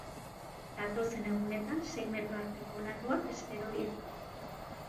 Datozen egunetan sei metro arteko olatuak espero dira.